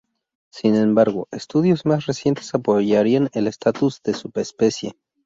Sin embargo, estudios más recientes apoyarían el estatus de subespecie.